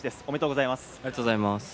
おめでとうございます。